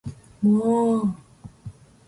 もーう